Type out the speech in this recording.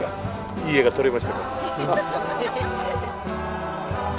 いい絵が撮れましたか。